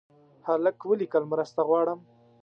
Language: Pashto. هلک ولیکل مرسته غواړم.